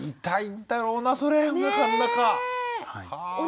痛いんだろうなそれおなかの中。